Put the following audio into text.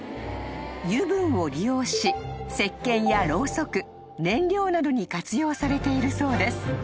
［油分を利用しせっけんやろうそく燃料などに活用されているそうです］